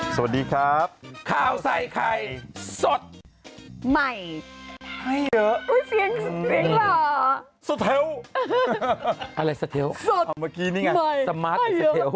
สวัสดีครับข้าวใส่ไข่สดใหม่ไม่เยอะสุดเทียวอะไรสุดเทียว